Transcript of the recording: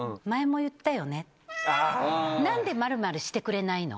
「何で○○してくれないの？」。